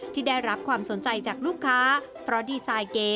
ที่ได้รับความสนใจจากลูกค้าเพราะดีไซน์เก๋